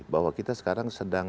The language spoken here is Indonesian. bahwa kita sekarang sedang